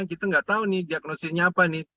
kita nggak tahu nih diagnosisnya apa nih